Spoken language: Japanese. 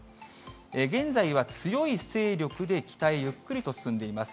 現在は強い勢力で北へゆっくりと進んでいます。